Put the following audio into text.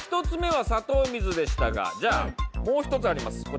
１つ目は砂糖水でしたがじゃあもうひとつあります。